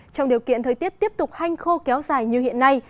trong điều kiện thời tiết tiếp tục hanh khô kéo dài như hiện nay